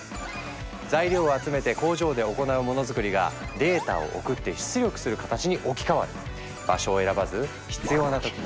材料を集めて工場で行うモノづくりがデータを送って出力する形に置き換わる。